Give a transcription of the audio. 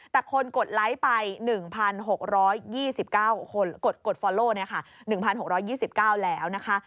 แต่คนกดไลค์ไป๑๖๒๙คนกดฟอลโล๑๖๒๙แล้วนะคะ